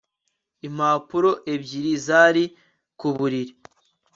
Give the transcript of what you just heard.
Impapuro ebyiri zari ku buriri